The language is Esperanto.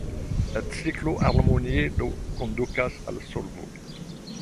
La ciklo harmonie do kondukas al solvo.